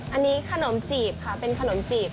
อันนี้ขนมจีบค่ะเป็นขนมจีบ